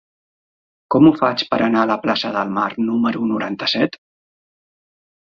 Com ho faig per anar a la plaça del Mar número noranta-set?